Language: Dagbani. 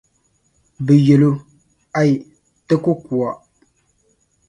"bɛ yɛli o, "Aai, ti ku ku a."